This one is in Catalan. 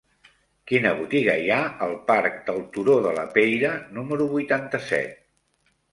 Quina botiga hi ha al parc del Turó de la Peira número vuitanta-set?